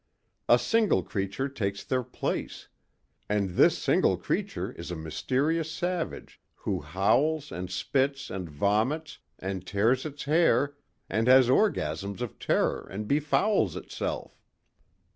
A single creature takes their place. And this single creature is a mysterious savage who howls and spits and vomits and tears its hair and has orgasms of terror and befouls itself."